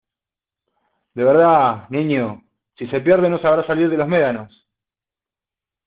de verdad, niño , si se pierde no sabrá salir de los médanos...